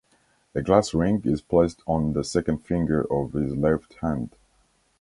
A glass ring is placed on the second finger of his left hand.